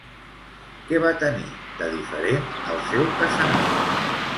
Què va tenir, de diferent, el seu casament?